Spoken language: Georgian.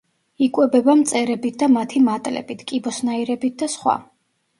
იკვებება მწერებით და მათი მატლებით, კიბოსნაირებით და სხვა.